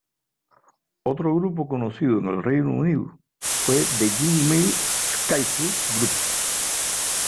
Otro grupo conocido en el Reino Unido fue The Gin Mill Skiffle Group.